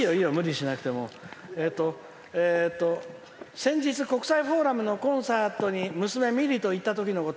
「先日、国際フォーラムのコンサートに娘、みりと行ったときのこと。